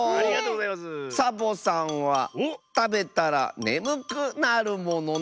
「サボさんはたべたらねむくなるものな」。